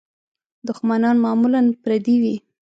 دوښمنان معمولاً پردي وي.